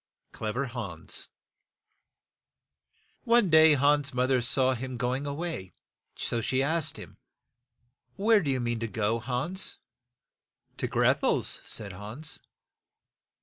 CLEVER HANS /^\NE day Hans's moth er saw him go ing a way, and she ^^ asked him, "Where do you mean to go, Hans?" "To Greth el's" said Hans.